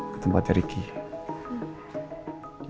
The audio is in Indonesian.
ke tempat ricky